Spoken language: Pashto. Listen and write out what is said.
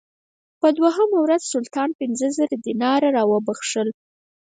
په دوهمه ورځ سلطان پنځه زره دیناره راوبخښل.